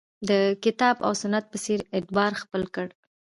د کتاب او سنت په څېر اعتبار خپل کړ